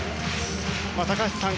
高橋さん